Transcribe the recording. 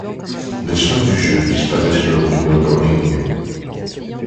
Les sons du jeu disparaissaient lors du mode en ligne.